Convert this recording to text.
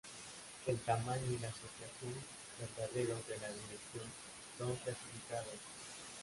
El tamaño y la asociación verdaderos de la Dirección son clasificados.